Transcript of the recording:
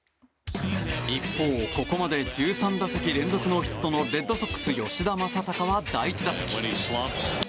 一方、ここまで１３打席連続ノーヒットのレッドソックス、吉田正尚選手は第１打席。